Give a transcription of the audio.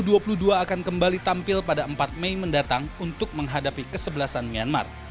u dua puluh dua akan kembali tampil pada empat mei mendatang untuk menghadapi kesebelasan myanmar